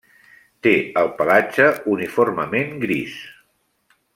Té el pelatge uniformement gris.